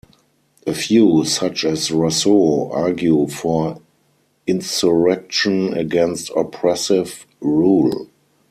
A few, such as Rousseau, argue for insurrection against oppressive rule.